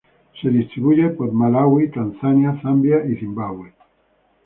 Se distribuye por Malaui, Tanzania, Zambia y Zimbabue.